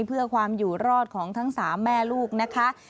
เพื่อความอยู่รอดของทั้ง๓แม่ลูกนะคะ